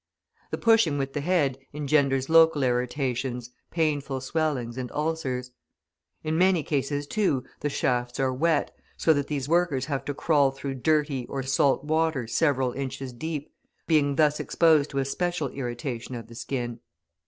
The pushing with the head engenders local irritations, painful swellings, and ulcers. In many cases, too, the shafts are wet, so that these workers have to crawl through dirty or salt water several inches deep, being thus exposed to a special irritation of the skin.